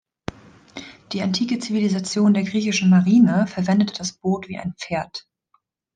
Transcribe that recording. Die antike Zivilisation der griechischen Marine verwendete das Boot wie ein Pferd.